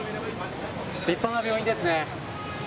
立派な病院ですね。